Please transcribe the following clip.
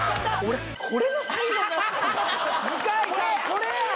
これやん！